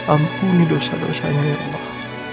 ampuni dosa dosanya ya allah